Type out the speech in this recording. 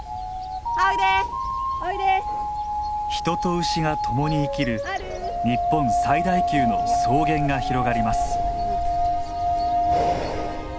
人と牛が共に生きる日本最大級の草原が広がります。